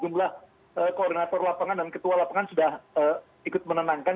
jumlah koordinator lapangan dan ketua lapangan sudah ikut menenangkan